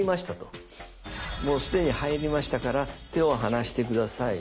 「もう既に入りましたから手を離して下さい。